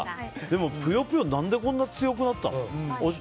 でも「ぷよぷよ」何でこんなに強くなったの？